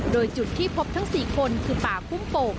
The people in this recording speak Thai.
โดยจุดที่พบทั้ง๔คนคือป่าพุ่มโป่ง